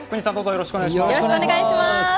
よろしくお願いします。